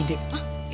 ide apaan tuh soek